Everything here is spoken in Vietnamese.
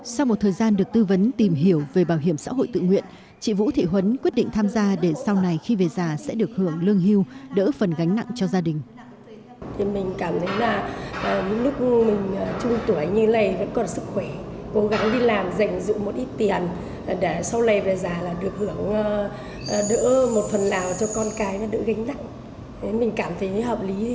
sau một thời gian được tư vấn tìm hiểu về bảo hiểm xã hội tự nguyện chị vũ thị huấn quyết định tham gia để sau này khi về già sẽ được hưởng lương hưu đỡ phần gánh nặng cho gia đình